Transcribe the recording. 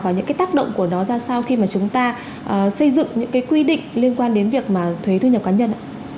và những cái tác động của nó ra sao khi mà chúng ta xây dựng những cái quy định liên quan đến việc mà thuế thu nhập cá nhân